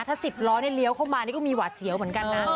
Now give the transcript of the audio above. ถ้า๑๐ล้อเลี้ยวเข้ามานี่ก็มีหวาดเสียวเหมือนกันนะ